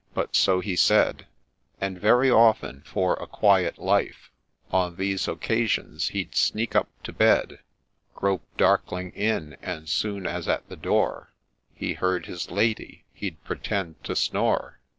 — but so he said — And very often, for a quiet life, On these occasions he'd sneak up to bed, Grope darkling in, and, soon as at the door He heard his lady — he'd pretend to snore.